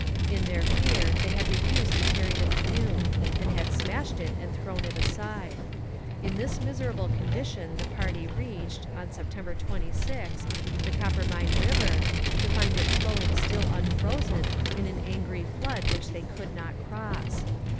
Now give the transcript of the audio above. In their fear they had refused to carry the canoe, and had smashed it and thrown it aside. In this miserable condition the party reached, on September 26, the Coppermine river, to find it flowing still unfrozen in an angry flood which they could not cross.